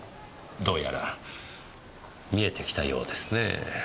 どうやら見えてきたようですねぇ。